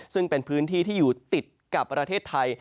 ซึ่งเป็นพื้นที่ที่อยู่ติดกับประเทศไทย